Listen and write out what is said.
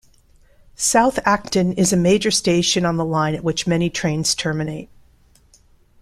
South Acton is a major station on the line at which many trains terminate.